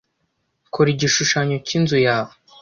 Kora igishushanyo cyinzu yawe.